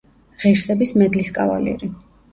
ღირსების მედლის კავალერი.